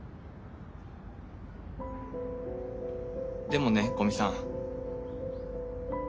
でもね古見さん。